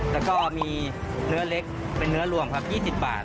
แล้วก็มีเนื้อเล็กเป็นเนื้อรวมครับ๒๐บาท